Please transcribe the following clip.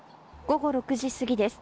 午後６時過ぎです。